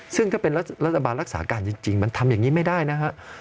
ซึ่งถ้าเป็นรัฐบาลรักษาการจริงมันทำอย่างนี้ไม่ได้นะฮะ